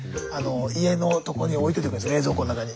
家のとこに置いといてくれるんです冷蔵庫の中に。